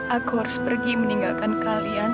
aku harus pergi meninggalkan kalian